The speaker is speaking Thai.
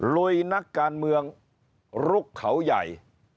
ลุยนักการเมืองลุกเขาใหญ่